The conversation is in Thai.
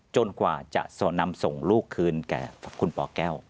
กว่าจะนำส่งลูกคืนแก่คุณปแก้ว